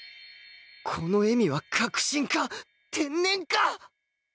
この笑みは確信か天然か！？